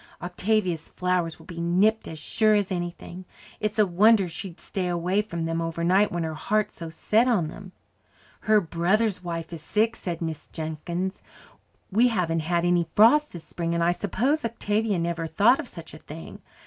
Octavia's flowers will be nipped as sure as anything. It's a wonder she'd stay away from them overnight when her heart's so set on them." "Her brother's wife is sick," said Mrs. Jenkins. "We haven't had any frost this spring, and I suppose Octavia never thought of such a thing.